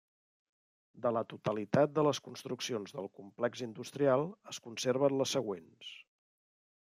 De la totalitat de les construccions del complex industrial es conserven les següents.